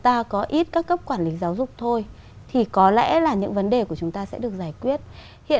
ta có ít các cấp quản lý giáo dục thôi thì có lẽ là những vấn đề của chúng ta sẽ được giải quyết hiện